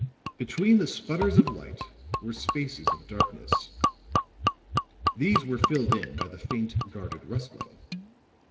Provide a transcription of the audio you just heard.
Between the sputters of light were spaces of darkness; these were; filled in by the faint guarded rustling.